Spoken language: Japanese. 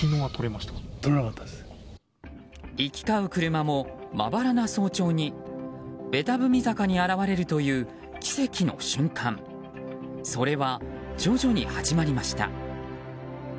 行き交う車もまばらな早朝にベタ踏み坂に現れるという奇跡の瞬間それは徐々に始まりました。